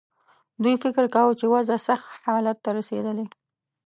دوی فکر کاوه چې وضع سخت حالت ته رسېدلې.